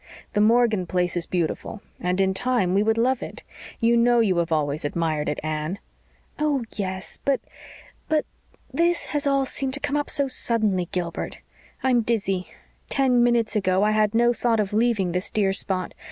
The Morgan place is beautiful, and in time we would love it. You know you have always admired it, Anne." "Oh, yes, but but this has all seemed to come up so suddenly, Gilbert. I'm dizzy. Ten minutes ago I had no thought of leaving this dear spot.